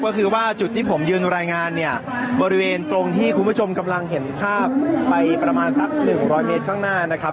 ก็คือว่าจุดที่ผมยืนรายงานเนี่ยบริเวณตรงที่คุณผู้ชมกำลังเห็นภาพไปประมาณสักหนึ่งร้อยเมตรข้างหน้านะครับ